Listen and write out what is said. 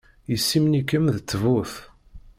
Yessimen-ikem d ttbut.